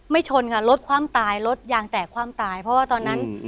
ไม่ชนลดความตายลดยางแตกความตายเพราะว่าตอนนั้น